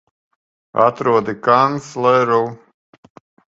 Atrodi kancleru!